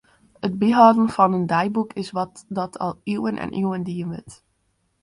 It byhâlden fan in deiboek is wat dat al iuwen en iuwen dien wurdt.